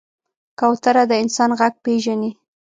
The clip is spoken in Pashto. کوتره د انسان غږ پېژني.